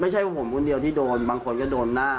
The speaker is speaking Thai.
ไม่ใช่เพราะผมนี่เดียวที่โดนบางคนก็โดนหน้า